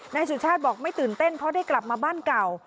นายสุชาติบอกไม่ตื่นเต้นเพราะได้กลับมาบ้านเก่า